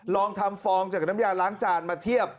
ลองทำฟองจากน้ำยาล้างจานมาเทียบ